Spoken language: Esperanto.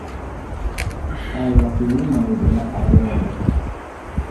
Al la filinoj de la aero!